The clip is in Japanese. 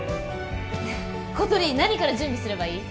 コトリン何から準備すればいい？